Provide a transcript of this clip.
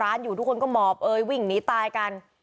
อยู่ทุกคนก็หมอบเอ้ยวิ่งหนีตายกัน